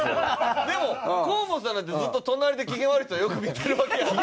でも河本さんなんてずっと隣で機嫌悪い人よく見てるわけやから。